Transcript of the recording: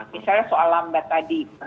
misalnya soal lambat tadi